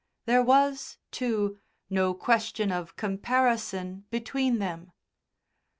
There was, too, no question of comparison between them.